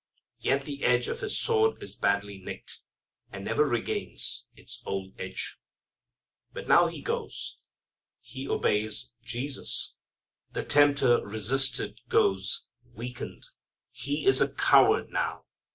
Yet the edge of His sword is badly nicked, and never regains its old edge. But now he goes. He obeys Jesus. The tempter resisted goes, weakened. He is a coward now.